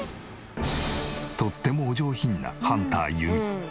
とってもお上品なハンターゆみ。